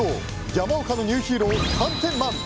山岡のニューヒーロー寒天マン！